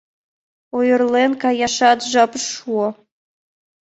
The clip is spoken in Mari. Ойырлен каяшат жап шуо.